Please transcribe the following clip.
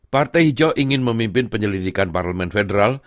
partai hijau ingin memimpin penyelidikan parlemen federal